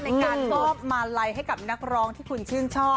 ในการมอบมาลัยให้กับนักร้องที่คุณชื่นชอบ